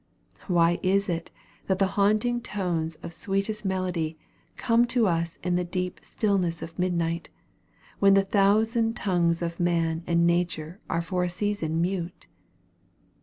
Why is it that haunting tones of sweetest melody come to us in the deep stillness of midnight, when the thousand tongues of man and nature are for a season mute?